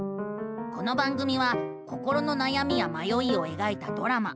この番組は心のなやみやまよいをえがいたドラマ。